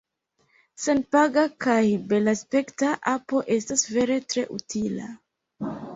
Senpaga kaj belaspekta apo estas vere tre utila.